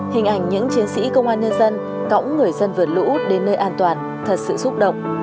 hình ảnh những chiến sĩ công an nhân dân cõng người dân vượt lũ đến nơi an toàn thật sự xúc động